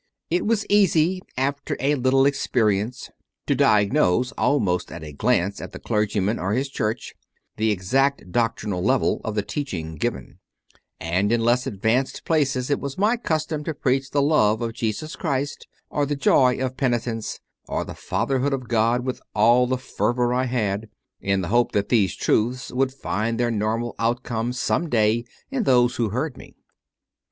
It was easy after a little experience to diagnose, almost at a glance at the clergyman or his church, the exact doctrinal level of the teaching given; and in less advanced places it was my custom to preach the love of Jesus Christ or the joy of peni tence or the Fatherhood of God with all the fervour I had, in the hope that these truths would find their normal outcome some day in those who heard me.